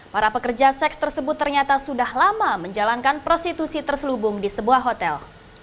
para pekerja seks tersebut ternyata sudah lama menjalankan prostitusi terselubung di sebuah hotel